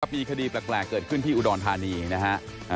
มีคดีแปลกเกิดขึ้นที่อุดรธานีนะฮะ